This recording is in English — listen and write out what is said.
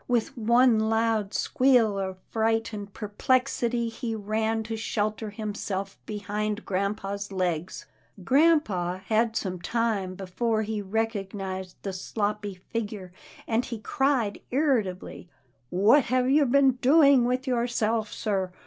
With one loud squeal of fright and perplex ity, he ran to shelter himself behind grampa's legs. Grampa had some time before recognized the sloppy figure, and he cried irritably, " What have you been doing with yourself, sir?